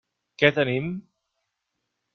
Què tenim?